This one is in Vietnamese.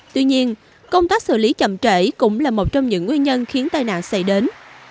tuy nhiên công tác xử lý chậm trễ cũng là một trong những nguyên nhân khiến tai nạn xảy đến